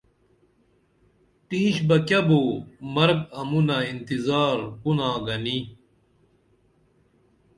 ٹینش بہ کیہ بو مرگ امونہ انتظار کُنا گنی